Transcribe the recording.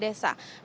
dari pihak desa